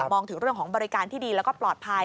มองถึงเรื่องของบริการที่ดีแล้วก็ปลอดภัย